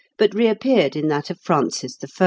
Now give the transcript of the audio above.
but reappeared in that of Francis I.